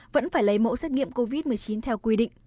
vẫn phải lấy mẫu xét nghiệm covid một mươi chín theo quy định